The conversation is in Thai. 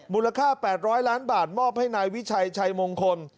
มูลค่า๘๐๐ล้านบาทมอบให้นายวิชัยชัยมงคล